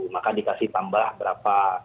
maka dikasih tambah berapa